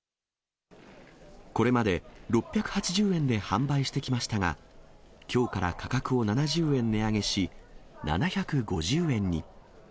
これまで６８０円で販売してきましたが、きょうから価格を７０円値上げし、７５０円に。